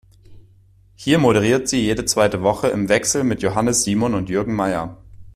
Hier moderiert sie jede zweite Woche im Wechsel mit Johannes Simon und Jürgen Mayer.